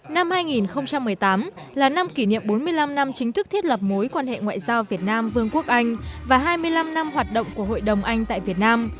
năm hai nghìn một mươi tám là năm kỷ niệm bốn mươi năm năm chính thức thiết lập mối quan hệ ngoại giao việt nam vương quốc anh và hai mươi năm năm hoạt động của hội đồng anh tại việt nam